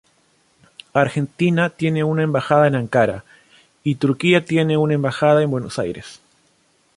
Argentina tiene una embajada en Ankara y Turquía tiene una embajada en Buenos Aires.